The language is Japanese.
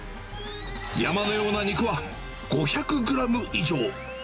山のような肉は、５００グラム以上。